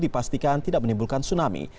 dipastikan tidak menimbulkan tsunami